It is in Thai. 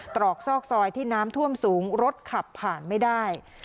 ตรอกซอกซอยที่น้ำท่วมสูงรถขับผ่านไม่ได้